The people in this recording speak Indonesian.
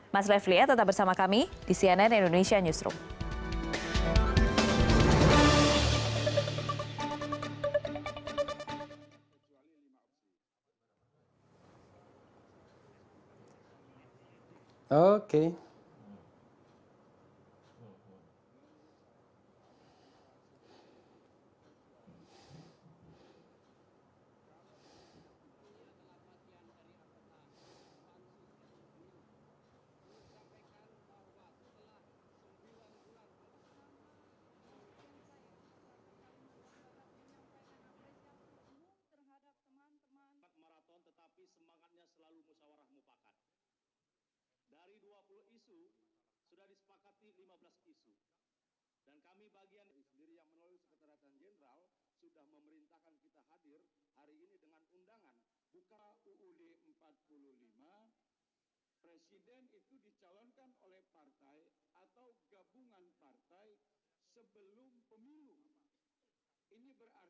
mas refli ya tetap bersama kami di cnn indonesia newsroom